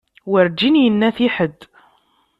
Werǧin yenna-t i ḥedd.